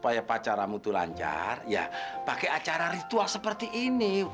iya maju kerjakan tugas ini